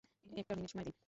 একটা মিনিট সময় দিন?